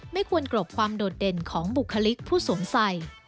ไม่ควรกรบความโดดเด่นของบุคลิกผู้สวมใส่